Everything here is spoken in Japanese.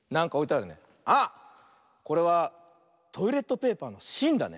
これはトイレットペーパーのしんだね。